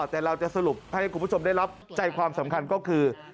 แต่เราจะสรุปให้คุณผู้ชมได้รับใจความสำคัญก็คือ